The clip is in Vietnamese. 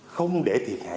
không để thiệt hại